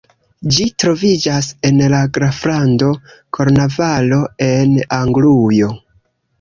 Ĝi troviĝas en la graflando Kornvalo en Anglujo.